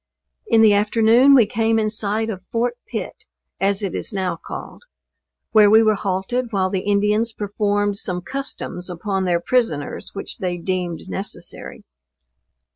In the afternoon we came in sight of Fort Pitt (as it is now called,) where we were halted while the Indians performed some customs upon their prisoners which they deemed necessary.